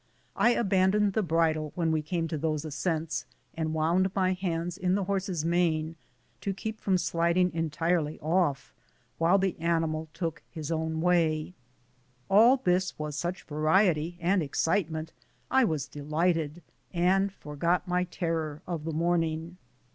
I abandoned the bridle when we came to those ascents, and wound my hands in the horse's mane to keep from sliding entirely off, while the animal took his own way. All this was such variety and excitement I was delighted, and forgot my terror of the morning.